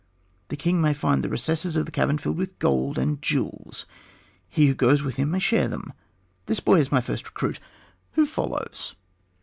The king may find the recesses of the cavern filled with gold and jewels; he who goes with him may share them. This boy is my first recruit: who follows?"